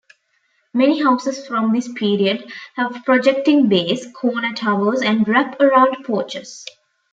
Many houses from this period have projecting bays, corner towers, and wrap-around porches.